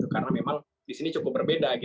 karena memang di sini cukup berbeda